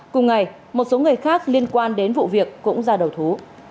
cùng ngày một số người khác liên quan đến vụ việc cũng ra đầu thú